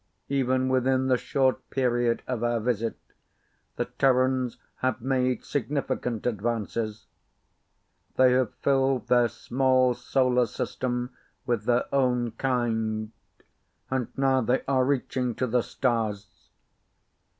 Even within the short period of our visit the Terrans have made significant advances. They have filled their small solar system with their own kind and now they are reaching to the stars.